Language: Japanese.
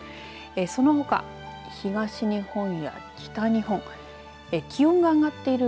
そのほか東日本や北日本気温が上がっている上